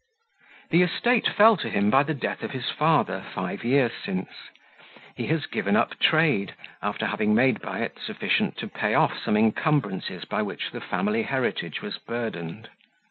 The estate fell to him by the death of his father, five years since; he has given up trade, after having made by it sufficient to pay off some incumbrances by which the family heritage was burdened.